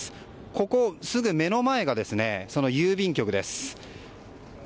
ここ、すぐ目の前がその郵便局です。